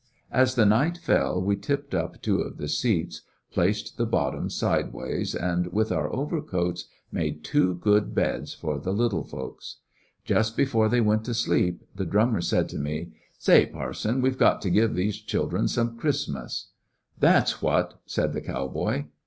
As the night fell, we tipped up two of the seats, placed the bottoms sideways, and with our overcoats made two good beds for the lit tle folks. Just before they went to sleep, the drummer said to me : "Say, parson, we 've got to give those chil dren some Christmas !" "That 's what," said the cow boy.